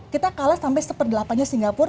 kita kalah sampai seperdelapannya singapura